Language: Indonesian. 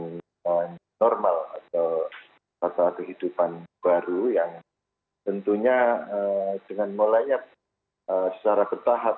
yang normal atau tata kehidupan baru yang tentunya dengan mulainya secara bertahap